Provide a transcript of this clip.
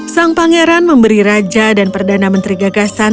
sang pangeran memberi raja dan perdana menteri gagasan